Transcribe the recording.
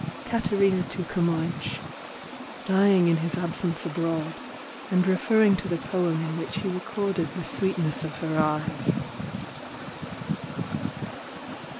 CATARINA TO CAMOENS (DYING IN HIS ABSENCE ABROAD, AND REFERRING TO THE POEM IN WHICH HE RECORDED THE SWEETNESS OF HER EYES).